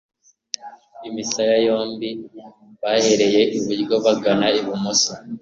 imisaya yombi ,bahereye iburyo bagana ibumoso.